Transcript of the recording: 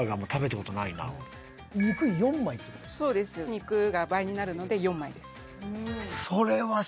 肉が倍になるので４枚です。